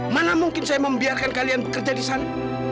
mana mungkin saya membiarkan kalian bekerja di sana